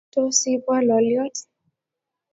Tos iibwo lolyot?